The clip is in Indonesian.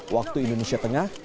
waktu indonesia tengah